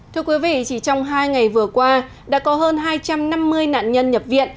thưa quý vị chỉ trong hai ngày vừa qua đã có hơn hai trăm năm mươi nạn nhân nhập viện